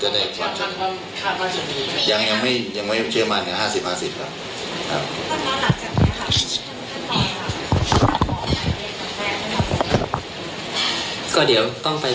คุณชื่อขอบถัวเนี่ยยังมั่นใจไหมคะว่าคุณพี่กำลังมีหลักฐานวิดีโอหรือริ่มหรืออย่างอื่น